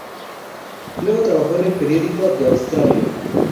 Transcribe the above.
Luego trabajó en el periódico "The Australian".